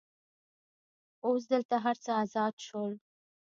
اوس دلته هر څه آزاد شول.